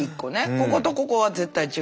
こことここは絶対違うでしょ。